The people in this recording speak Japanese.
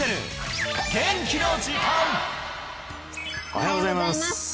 おはようございます